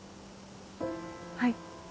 はい。